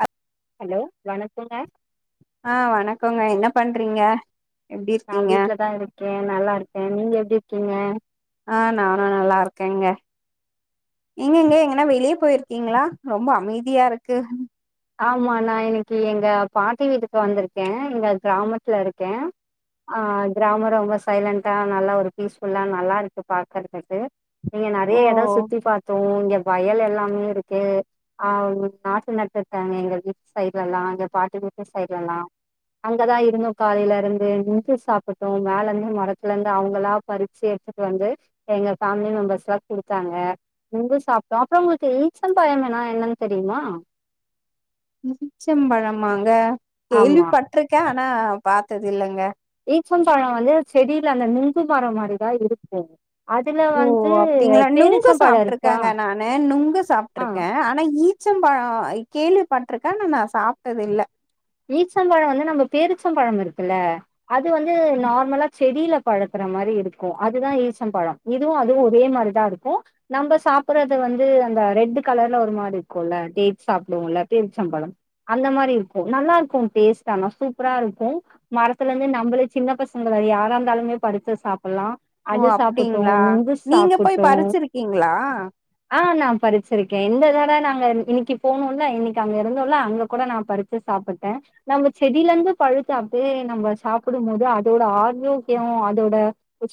அ hello வணக்கங்க ஆ வணக்கங்க என்ன பண்றீங்க எப்டி நா இருக்கீங்க வீட்லதா இருக்கே நல்லாருக்கே நீங்க எப்டி இருக்கீங்க ஆ நானு நல்லாருக்கேங்க எங்கக எங்னா வெளிய பொயிர்க்கீங்ளா ரொம்ப அமைதியா இருக்கு ஆமா நா இன்னிக்கு எங்க பாட்டி வீட்டுக்கு வந்துருக்கே எங்க கிராமத்துல இருக்கே ஆ கிராம ரொம்ப சைலண்டா நல்லா ஒரு பீஸ்ஃபுல்லா நல்லா இருக்கு பாக்கறதுக்கு இங்க ஓ நெறைய எடோ சுத்தி பாத்தோ இங்க வயல் எல்லாமே இருக்கு ஆ ஒங்ளுக் நாட்டு நட்ட இருக்காங்க எங்க வீட்டு சைடெல்லா எங்க பாட்டி வீட்டு சைடெல்லா அங்கதா இருந்தோ காலைல இருந்து நொங்கு சாப்புட்டோ மேல இருந்து மரத்துல இருந்து அவங்களா பறிச்சி எடுத்து வந்து எங்க ஃபேமிலி மெம்பர்ஸ்லா குடுத்தாங்க நொங்கு சாப்ட்டோ அப்றோ ஒங்ளுக்கு ஈச்சம்பழமுனா என்னன் தெரிமா ஈச்சம் பழமாங்க கேள்வி ஆமா பட்ருக்கே ஆனா பாத்தது இல்லங்க ஈச்சப்பழோ வந்து செடியில அந்த நுங்கு மர மாரிதா இருக்கு அதுல ஓ வந்து அப்டீங்ளா நொங்கு பேரிச்சம் பழோ இருக்கா சாப்ட்ருக்கேங்க நானு நொங்கு ஆ சாப்ட்ருக்கே ஆனா ஈ ச்சப்பழ கேள்விப்பட்ருக்கே ஆனா நா சாப்ட்டதில்ல ஈச்சம்பழோ வந்து நம்ம பேரிச்சபழம் இருக்குல்ல அது வந்து நார்மலா செடியில பழுக்கற மாரி இருக்கு அதுதா ஈச்சப்பழம் இதுவு அதுவு ஒரே மாரிதா இருக்கு நம்ம சாப்பறது வந்து அந்த ரெட்டு கலர்ல ஒரு மாரி இருக்குல்ல தேட்ஸ் சாப்டுவோல பேரிச்சபழம் அந்த மாரி இருக்கு நல்லாருக்கு டேஸ்ட்டா ஆானா சூப்ரா இருக்கு மரத்துல இருந்து நம்ளே சின்ன பசங்க வேற யாரா இருந்தாலுமே பறிச்சி சாப்புல்லா ஓ அது சாப்புட்டோ அப்டிங்களா ங்கு நீங்க போய் சாப்புட்டோ பறிச்சிருக்கீங்களா ஆ நா பறிச்சிருக்கே இந்த தட நாங்க இன்னிக்கு போனோல இன்னிக்கு அங்க இருந்தோல அங்க கூட நா பறிச் சி சாப்புட்டே நம்ம செடியில இருந்து பழுத்து அப்டியே நம்ம சாப்டமோது அதோட ஆரோக்யோ அதோட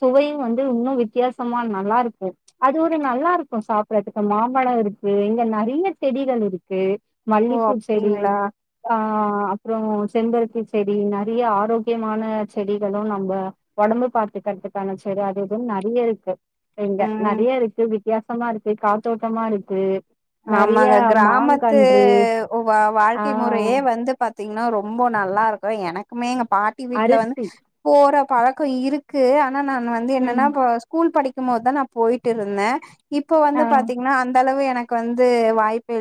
சுவையு வந்து இன்னு வித்தியாசமா நல்லாருக்கு அது ஒரு நல்லாருக்கு சாப்பறதுக்கு மாம்பழம் இருக்கு இங்க நெறைய செடிகள் இருக்கு ஓ மல்லிப்பூ செடி அப்டிங்களா ஆ அப்பறோ செம்பருத்தி செடி நெறைய ஆரோகியமான செடிகளு நம்ம ஒடம்பு பாத்துகுறதுக்கான செடி அது இதுன்னு நெறைய இருக்கு இங்க ம் நெறைய இருக்கு வித்தியாசமா இருக்கு காத்தோட்டமா இருக்கு நெறைய ஆமாங்க கிராமத்து மாங்கன்று ஒ ஆ வாழ்க்கை முறையே வந்து பாத்தீங்கன்னா ரொம்ப நல்லா இருக்கு எனக்குமே எங்க பா ட்டி வீட்ல வந்து அரிசி போற பழக்கோ இருக்கு ஆனா நான் வந்து என்னன்னா ம் இப்போ ஸ்கூல் படிக்கு போது தா நா போயிட்டு இருந்தே இப்ப வந்து ஆ பாத்தீங்கன்னா அந்த அளவு எனக் கு வந்து வாய்ப்பு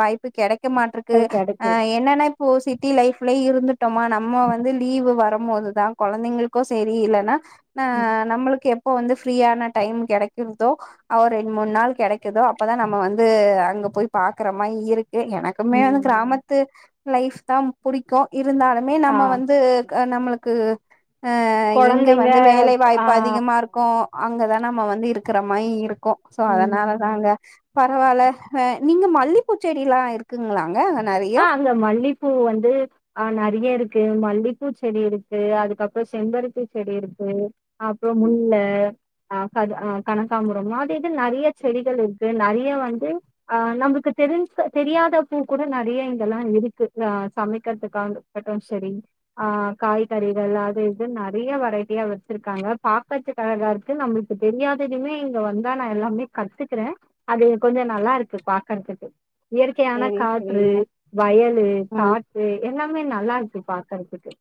வாய்ப்பு கெடைக்க மாட்டிருக்கு ஆ கெடைக்கு என்னன்னா இப்போ சிட்டி லைஃப்லயே இருந்துட்டோமா நம்ம வந்து லீவு வரும் போதுதா கொழந்தைங்களுக்கு சரி இல்லன்னா ஆ ம் நம்மளுக்கு எப் போ வந்து ஃப்ரீயான டைம் கெடைக்ற்தோ அவுரு ரெண்டு மூணு நாள் கெடைக்குதோ அப்பதா நம்ம வந்து ந்து அங்க போய் பாக்குற மாரி இருக்கு எனக்குமே ஆ ம் கிராமத்து லைஃப் தா புடிக்கு இருந்தாலுமே ஆ நம்ம வந்து நம்மளுக்கு அ எங்க கொழந்தைங்க வந்து வேலை ஆ வாய்ப்பு அதிகமா இருக் கு அங்கதா நம்ம வந்து இருக்கிற மாரி இருக்கு சோ அதனாலதா ம் அங்க பரவால்ல நீங்க மல்லிப்பூசெடிலா இருக்குங்ளாங்க நெறைய இந்த மல்லிப்பூ வந்து ஆ நெறைய இருக்கு மல்லிபூ செடி இருக்கு அதுகப்றோ செம்பருத்தி செடி இருக்கு அப்றோ ம் முல்ல அ க ஆ கனகாம்பரம் மாரி அது இது நெறைய செடிகள் இருக்கு நெறைய வந்து ஆ நமக்கு தெரிஞ்ச தெரியாத பூ கூ‌ட நெறைய இங்கெல்லா இருக்கு ஆ சமைகிறதுகாக மட்டு செரி ஆ காய்கறிகள் அது இது நெறைய வெரைட்டியா வச்சிருக்காங்க பாக்க றத்துக்கு அழகா இருக்கு நம்மளுக்கு தெரியாததுமே இங்க வந்தா நா எல்லாமே கத்துகிறே அது கொஞ்சோ நல்லா இருக்கு பாக்குறதுக்கு இயற்கையான சேரி காற்று சேரிங்க வயலு ம் காட் டு எல்லாமே நல்லா இருக்கு பாக்றதுக்கு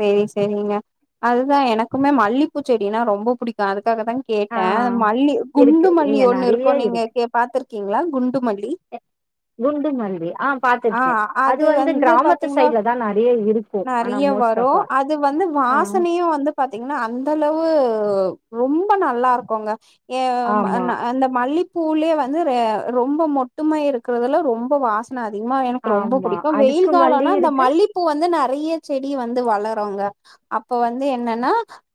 செரி செரிங்க அதுதா எனக்குமே மல்லிபூசெடினா ரொம்ப புடிக்கு அதுகாக தா ஆ கேட்ட மல்லி இருக்கு குண்டு மல்லி இங்க ஒண்ணு நெறைய இருக்கு நீங்க எங்கே பாத்துருக்கீங்ளா குண்டு மல்லி குண்டு மல்லி ஆ பாத்திருகே அது வந்து கிராமத்து சைட்ல தா நெறைய இருக்கு ஆனா மோஸ் டோ அதுவந்து வசனையு வந்து பாத்தீங்ன்னா அந்த அளவு ரொம்ப நல்லா இருக்குங்க எ ஆமா என அந்தமல்லி பூலியே வந்து ரொம்ப மொட்டு மாரி இருக்கறதுல ரொம்ப வா சன அதிகமா எனக் ரொம்ப ஆமா புடிக்கு வெயில் அடுக்கு மல்லி காலோனா இந்த இருக்கு மல்லிபூ வந்து நெறைய செடி வந் து வளறோங்க அப்பவந்து என்னன்னா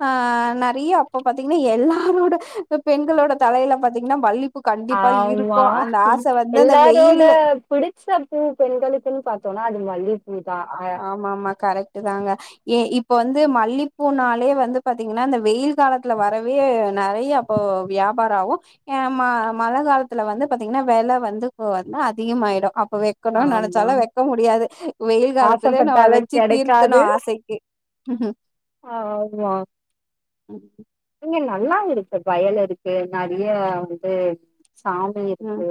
ஆ நெறைய அப்ப பாத்தீங்ன்னா எல்லாரோட பெண்களோட தலையில பாத்தீங்ன்னா மல்லி ஆமா அந்த வெயில் எல்லாரோட பிடி ச்ச பூ பெண்களுகுனு பாத்தோனா அது மல்லி இதா ஆமா ஆமா கரெக்ட் தாங்க ஏ இப்ப வந்து மல்லிபூனாலே வந்து பாத்தீங்கன்னா இந்த வெயில் காலதுல வரவே நறைய பூ வியாபாரோ ஆகு ம மழ காலத்துல வந்து பாத்தீங்கன்னா வெல வந்து இ வந்து அதிகமாயிடும் அப்ப க்கணும்னு ஆமா நினைச்சாலு வைக்க முடியாது வெயில் காலத்து அதுலயே நம்ம ஆசப்பட்டாலு வச்சு தீர்த்தனு கெடைக்காது ஆசைக்கு ம் ஆமா ம் இங்க நல்லா இருக்கு வயல் இருக்கு நிறைய வந்து ச ம் இருக்கு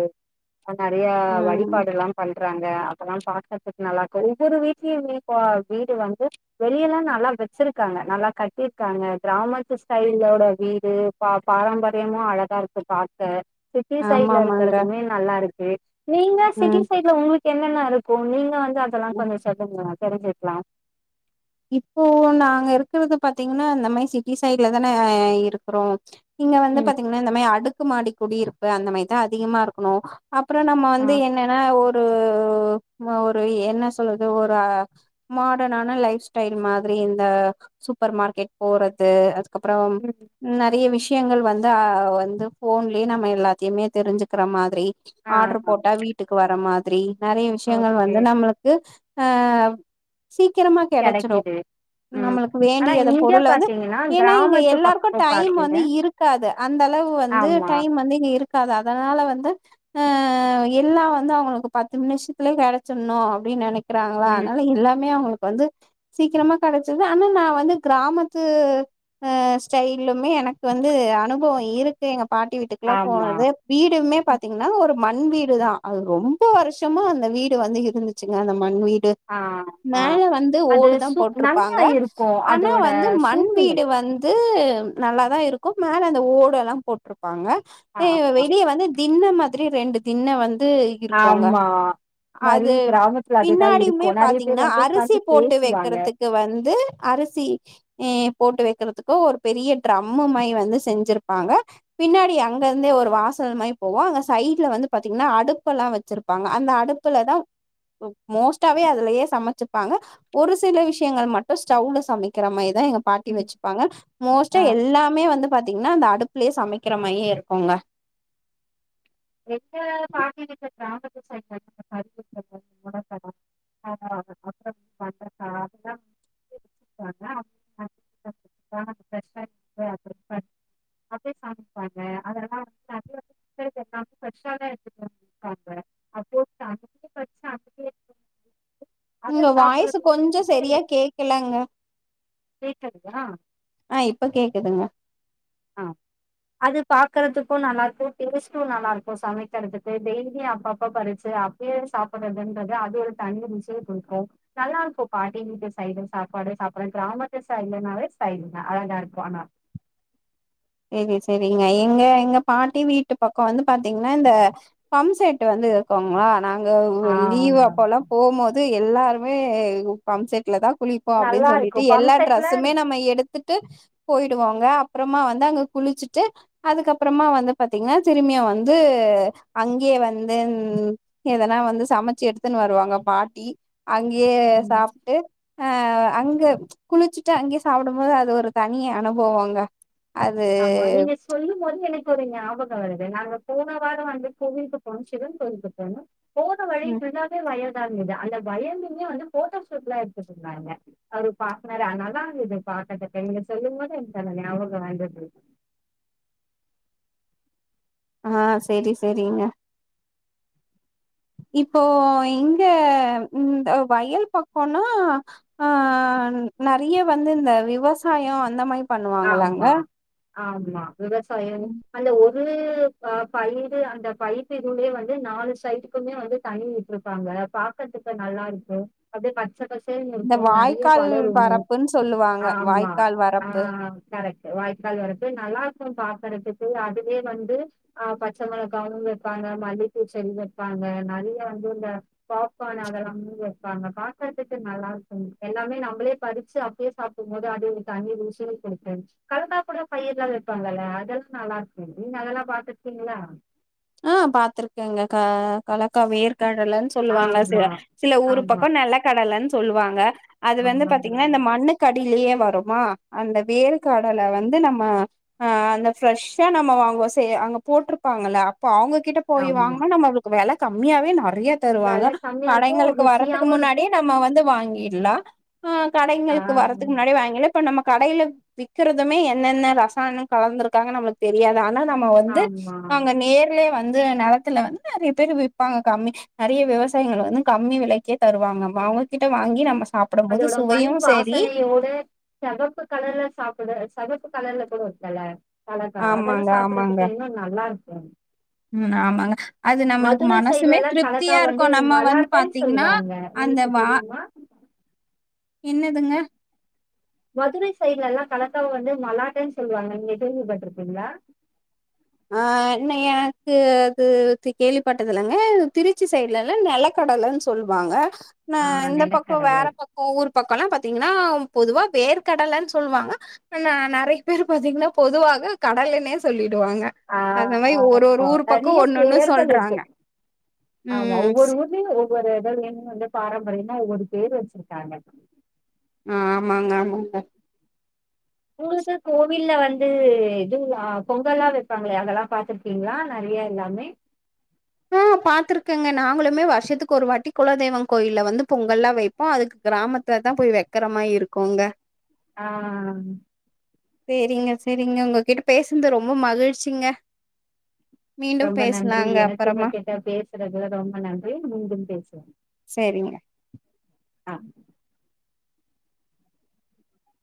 ம் எல்லாம் பண்றாங்க அப்பெல்லாம் பாக்றதுக்கு நல்லாருக்கு ஒவ்வொரு வீட்லயுமே வீடு பா வந்து வெளியெல்லாம் நல்லா வச்சிருக்காங்க நல்லா கட்டிருக்காங்க கிராமத்து ஸைலோட வீடு பா பாரம்பரியமா அழகாருக்கு பாக்க சிட்டி ஆமா ஆமாங்க சைட்லருக்கறதுமே நல்லாருக்கு நீங்க சிட்டி ம் சைட்ல உங்களுக்கு என்னல்வா இருக்கு நீங்க வந்து அதெல்லா கொஞ்சோ சொல்லுங்க தெரிஞ்சுகிட்டு இப்போ நாங்க இருக்கிறது பாத்தீங்கன்னா அந்த மாரி சிட்டி சைட்ல தான இருக்குறோ இங்க வந்து ம் பாத்தீங்கன்னா இந்த மாதிரி அடுக்கு மாடி குடி இருப்பு அந்த மாதிரிதா அதிகமா இருக்கணு அப்றோ நம்ம ஆ வந்து என் என்ன ஒரு ஒரு என்ன சொல்லறது ஒரு மாடனான லைப் ஸ்டை ஸ்டைல் மாதிரி இந்த சூப்பர் மார்க்கெட் போறது அதுக்கப்றம் ம் நெறைய விஷயங்கள் வந்து வந்து போன்லயே நம்ம எல்லாத்தையுமே தெரிஞ்சுக்கிற மாதிரி ஆ ஆர்டரு போட்டா வீட்டுக்கு வர மாதிரி நெறைய விஷயங்கள் ஓகே வந்து நம்மளுக்கு ஆ சீக்கிரமா கெடைச் கிது நம்மளுக்கு வேண்டியத பொருள் வந்து ஏன்னா இங்க கிராமத்து எல்லாருக்கும் பக்கோ டைம் பாத்தீங்க வந்து இருக் காது அந்த அளவு வந்து ஆமா டைம் வந்து இங்க இருக்காது அதனால வந்து அ எல்லா வந்து அவுங்களுக்கு பத்து நிமிஷத்துலயே கிடைச்சிடணு அப்டின்னு நினைக் றாங்களா ம் அதனால எல்லாமே அவுங்களுக்கு வந்து சீக்கிரமா கிடைச்சது ஆனா நா வந்து கிராமத்து அ ஸ்டைல்லுமே எனக்கு வந்து அனுபவோ இருக்கு எங்க பாட்டி வீட்டுக்குல்லாம் ஆமா போனது வீடுமே பாத்தீங்கன்னா ஒரு மண் வீடு தா அது ரொம்ப வருஷமா அந்த வீடு வந்து இருந்துது ச்சுங்க அந்த மண் வீடு ஆ ஆ மேல வந்து அது ஓடு தா சு நல்லா போட்ருப்பாங்க இருக்கு ஆனா அதோட வந்து மண் சூழ்நிலை வீடு வந் து நல்லாதா இருக்கு மேல அந்த ஓடே எல்லாம் போட்ருப்பாங்க ஏ ஆமா வெளிய வந்து தின்ன மாரி ரெண்டு தின்ன வந்து இருக்குங்க ஆமா அது நெறய கிராமத்துல அதுதா பின்னாடியுமே இருக்கு நெறய பேர் வந்து உக்காந்து பேசுவாங்க க்கு வந்து அரிசி அ போட்டு வக்கிறதுக்கு பெரிய ட்ரம்மு மாரி செஞ்சிருப்பாங்க பின்னாடி அங்கருந்தே ஒரு வாசல் மாரி போவு அங்க சைட்ல வந்து பாத்தீங்கன்னா அடுப்பெலா வச்சிரு அந்த அடுப்புல தா மோஸ்டாவே அதுலயே சமச்சுப்பாங்க ஒரு சில விஷயங்கள் மட்டு ஸ்டவ்ல சமைக்கிற மாரிதா எங்க பாட்டி ம் வச்சுப்பாங்க ஆ மோஸ்ட்டா எல்லாமே வந்து பாத்தீங்கன்னா அந்த அடுப்புலே சமக்கிற மாரி இருக்குங்க எந்த பாட்டிட்ட கிராமத்து சைட்ல கரு [unintelligible] [unintelligible] [inaudible] வச்சிருப்பாங்க அப்டியே சமைப்பாங்க கர்ஷாலே ஏத்துக்வே ஆமா எடுத்துட்டு அத உங்க வாய்சு சாப்புட்றதுக்கு கொஞ்சோ சரியா கேக்கலங்க கேக்குதுங்கள ஆ இப்ப கேக்குதுங்க ஆ அது பாக்கறதுக்கு நல்லாருக்கு டேஸ்ட்டு நல்லாருக்கு சமக்கறதுக்கு டெய்லியு அப்ப அப்ப பறிச்சு அப் அப்பயே சாப்படறதுங்கறது அது ஒரு தனி ருசிய குடுக்கும் நல்லாருக்கு பாட்டி வீட்டு சைடு சாப்பாடு சாப்பட கிராமத்து சைடுலனாலே சைடுதா அழகா இருக்கு ஆனா சேரிங்க எங்க எங்க பாட்டி வீட்டு பக்கோ வந்து பாத்தீங்ன்னா இந்த பம்செட்டு வந்து இருக்குங்ளா நாங்க உ லீவ் ஆமாங்க அப்போல்லா போம் போது எல்லாருமே பம்செட்லதா குளிப் போ அப்டின் நல்லாருக்கு சொல்லிட்டு எல்லா பம்செட்ல டிரெஸுமே நம்ம எடுத்துட்டு போயிடுவோங்க அப்புறமா வந்து அங்க குளிச்சுட்டு அதுக்கப்பறமா வந்து பத்தீங்கன்னா திரும்மியு வந்து அங்யே வந்து ம் எதனா வந்து சமச்சு எடுத்துன்னு வருவாங்க பாட்டி அங்யே ம் சாப்ட்டு அ அங்க குளிச்சுட்டு அங்யே சாப்டும் போது அது ஒரு தனி அனுபவங்க ஆமா நீங்க சொல்லும் போது எனக்கு ஒரு ஞாபகோ வருது நாங்க போன வாரோ வந்து கோவில்க்கு போனோ சிவன் கோவிலுக்கு போனோ போற வழி ம் ஃபுல்லாவே வயல்தா இருந்துது அந்த வயலுமே வந்து போட்டோ ஷூட்லா எடுத்துட்ருந்தாங்க அவரு பாக்குறாரு அதுனாலதா இது பாக்கறதுக்கு இவுங்க சொல்லும் போது எனக்கந்த ஞாபக வந்து ஆ சேரி சேரிங்க இப்போ இங்க இந்த வயல் பக்கோன்னா ஆ நெறைய வந்து இந்த விவசாயோ அந்த மாய் ஆமா ஆமா விவசாயம் ம். அந்த ஒரு அ பயிரு அந்த பைப்பு இதுலே வந்து நாலு சைட்டுக்குமே வந்து தண்ணி விட்ருப்பாங்க பா க்கத்துக்கு நல்லாருக்கு அப்டியே க பச்ச பசேல்லனு இந்த இருக்கு நெறய வாய்க்கால் வளரும் வரப்புன்னு சொல்லுவாங்க ஆமா வாய்க்கால் ஆ வரப் கரெக்ட்டு வாய்க்கால் வரது நல்லாருக்கு பாக்கறதுக்கு அதுவே வந்து ஆ பச்ச மொளகாவு வெப்பாங்க மல்லிப்பூச்செடி வெப்பாங்க நெறைய வந்து இந்த பாப்கார்ன் அதெல்லாமு வெப்பாங்க பாக்கதுக்கு நல்லாருக்கு எல்லாமே நம்மளே பறிச்சு அப்டியே சாப் டும்போது அது ஒரு தனி ருசி குடுக்கு கருந்தா கூட பயிர்லா வெப்பாங்கல்ல அதெல்லா நல்லாருக்கு நீங்க அதெல்லா பாத்துருக்கீங்ளா ஆ பாத்துருக்கேங்க கா கல்லக்கா வேர்கடலன் சொல்லுவாங்க ஆமா. சில ஊரு ஆமா. பக்கோ நெலக்கடலன் சொல்லுவாங்க அது ஆ வந்து பாத்தீங்கன்னா இந்த மண்ணு கடிலயே வருமா அந்த வேர்கடல வந்து நம்ம ஆ அந்த ஃப்ரெஷ்ஷா நம்ம வாங்குவோ சே அங்க போட்டுருப்பாங்கல்ல இப்ப அவுங்ககிட்ட போயி ஆமா. வாங்குனா நம்மளுக்கு வில கம்மியாவே நெறைய வெல தருவாங்க கம்மியா இருக்கும், கடைங்களுக்கு வரதுக்கு ருசியாவும் முன்னாடியே இருக்கும். நம்ம வந்து வாங்கிர்லா ஆ ஆ கடைங்களுக்கு வரத்துக்கு முன்னாடியே வாங்கில்லா இப்ப நம்ம கடையில விக்கறதுமே என்னென்ன ரசாயனோ கலந்துருக்காங்க நம்ளுக்கு தெரியாது ஆனா நம்ம வந்து ஆமா. அங்க நேர்லே வந்து நெலத்துல வந்து நெறைய பேரு விப்பாங்க கம்மி நெறைய விவசாயிகள் வந்து கம்மி விலைக்கே தருவாங்க அவங்ககிட்ட வாங்கி நம்ம சாப் அதோட மண் வாசனையோட செகப்பு கலர்ல சாப்புட செகப்பு கலர்ல கூட இருக்குல்ல கலக்கா அதெல்லா ஆமாங்க ஆமாங்க சாப்பறதுக்கு இன்னு நல்லாருக்கேன் ம் ஆமாங்க அது நம்மளுக்கு மதுரை மனசுமே சைடு்லல்லா கலக்கா திருப்தியா வந்து இருக்கு நம்ம வந்து மலாட்டன் பாத்தீங்கன்னா சொல்லுவாங்க அந்த எதுக்கு வா தெரியுமா என்னதுங்க மதுரை சைடுலல்லாம் கலக்காவ வந்து மலாட்டை ன்னு சொல்லுவாங்க நீங்க கேள்விப்பட்ருக்கீங்ளா ஆ என்ன எனக்கு கு து கேள்விப்பட்டதுல்லங்க திருச்சி சைடுலல்லா நெலக் கடலன்னு சொல்வாங்க ந ஆ இந்த பக்கம் நிலக்கடலை வேற பக் ஊர் பக்கம்லாம் பாத்தீங்கன்னா பொதுவா வேர்கடலன்னு சொல்வாங்க நா நறைய பேர் பாத்தீங்கன்னா பொதுவாக கடலைனே சொல்லிடுவாங்க ஆ அந்த மாரி ஒரு ஒரு ஆமா ஊர் நறைய பக்கம் ஒன்னொன்னு செயர்கள் இருக்கு சொல்றாங்க. ஆமா ம். ஸ் ஒவ்வொரு ஊர் ங்க ஒவ்வொரு இடமு வந்து பாரம்பரியம்னா ஒவ்வொரு பேர் வச்சிருக்காங்க ஆ ஆமாங்க ஆமாங்க உங்களுக்கு கோவில்ல வந்து இது பொங்கல்லா வைப்பாங்களே அதெல்லா பாத்து இருங்களா நறையா எல்லாமே ஆ பாத்திருக்கங்க நாங்களுமே வருஷத்துக்கு ஒரு வாட்டி குலதெய்வம் கோயில வந்து பொங்கல்லா வை அப்போ அதுக்கு கிராமத்துல தா போய் வைக்கிற மாரி இருக்குங்க ஆ சேரிங்க சேரிங்க உங்ககிட்ட பேசுனது ரொம்ப மகிழ்ச்சிங்க மீண்டும் பேஸ்லாங்க உங்க கேட்ட பேசுறதுல ரொம்ப நன்றி மீண்டும் பேசுவோம் சேரிங்க ஆ